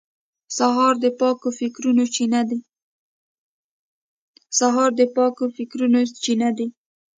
سهار د پاکو فکرونو چین دی.